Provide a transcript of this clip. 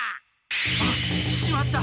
あっしまった！